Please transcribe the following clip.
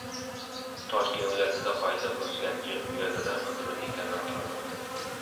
Toshkent viloyatida qoida buzgan piyodalar qidiruvda ekani aniqlandi